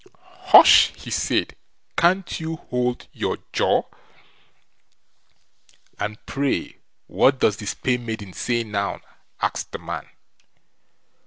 "Hush!" he said, "can't you hold your jaw?" "And pray what does the spae maiden say now?" asked the man.